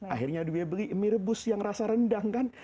akhirnya dia beli mie rebus yang rasa rendang kan